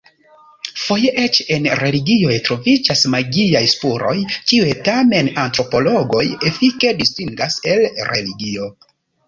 Foje eĉ en religioj troviĝas magiaj spuroj, kiuj tamen antropologoj efike distingas el religio.